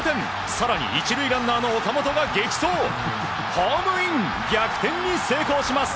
更に１塁ランナーの岡本が激走ホームイン、逆転に成功します。